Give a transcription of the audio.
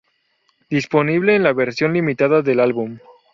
Disponible en la versión limitada del álbum.